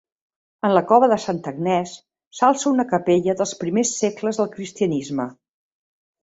En la cova de Santa Agnès s'alça una capella dels primers segles del cristianisme.